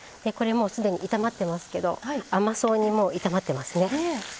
これもう既に炒まってますけど甘そうにもう炒まってますね。